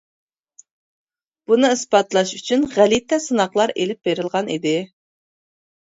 بۇنى ئىسپاتلاش ئۈچۈن غەلىتە سىناقلار ئېلىپ بېرىلغان ئىدى.